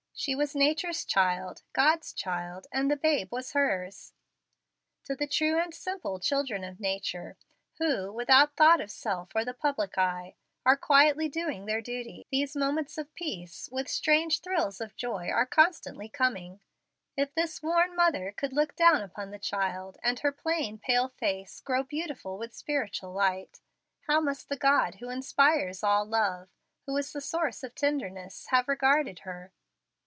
She was nature's child, God's child, and the babe was hers. To the true and simple children of nature, who, without thought of self or the public eye, are quietly doing their duty in their own little niches, these moments of peace with strange thrills of joy are constantly coming. If this worn mother could look down upon the child, and her plain, pale face grow beautiful with spiritual light, how must the God who inspires all love who is the source of tenderness have regarded her?